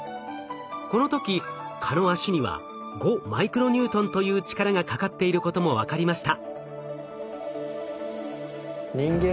この時蚊の脚には５マイクロニュートンという力がかかっていることも分かりました。